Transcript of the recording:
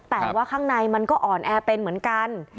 แต่ว่าข้างในมันก็อ่อนแอเป็นเหมือนกัน